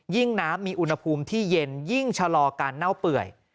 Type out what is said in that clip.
น้ำมีอุณหภูมิที่เย็นยิ่งชะลอการเน่าเปื่อย